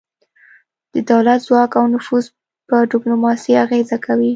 د دولت ځواک او نفوذ په ډیپلوماسي اغیزه کوي